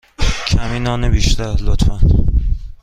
کمی نان بیشتر، لطفا.